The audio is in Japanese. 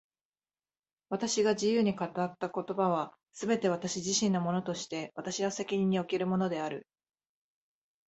私が自由に語った言葉は、すべて私自身のものとして私の責任におけるものである。